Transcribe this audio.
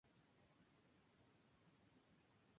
Se encuentra en Israel y Jordania.